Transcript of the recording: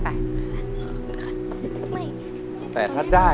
อยากคุยกับคุณแม่ไหม